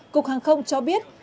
cục hàng không cho biết